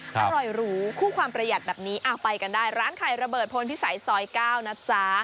อร่อยหรูคู่ความประหยัดแบบนี้ไปกันได้ร้านไข่ระเบิดพลพิสัยซอย๙นะจ๊ะ